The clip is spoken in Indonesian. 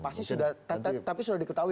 pasti sudah tapi sudah diketahui